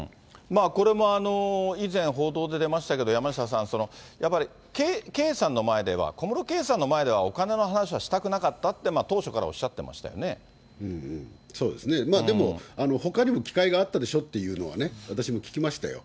これも以前、報道で出ましたけれども、山下さん、やっぱり圭さんの前では、小室圭さんの前ではお金の話はしたくなかったって、当初からおっそうですね、でも、ほかにも機会があったでしょっていうのはね、私も聞きましたよ。